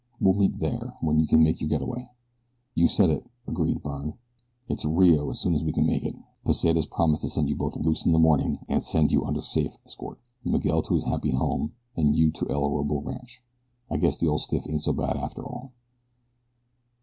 "We'll meet there, when you can make your get away." "You've said it," agreed Byrne. "It's Rio as soon as we can make it. Pesita's promised to set you both loose in the morning and send you under safe escort Miguel to his happy home, and you to El Orobo Rancho. I guess the old stiff isn't so bad after all."